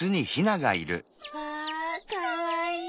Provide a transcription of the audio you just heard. わあかわいい！